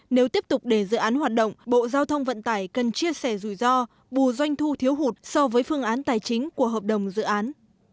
nếu tiếp tục để dự án hoạt động bộ giao thông vận tải cần chia sẻ rủi ro bù doanh thu thiếu hụt so với phương án tài chính của hợp đồng dự án